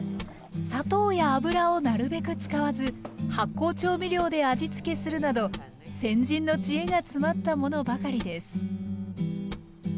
砂糖や油をなるべく使わず発酵調味料で味付けするなど先人の知恵が詰まったものばかりです